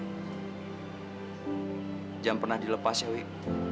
jangan pernah dilepas ya wih